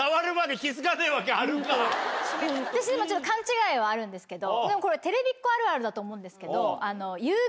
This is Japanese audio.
私でも勘違いはあるんですけど。